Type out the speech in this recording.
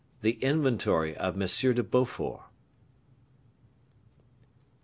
The Inventory of M. de Beaufort.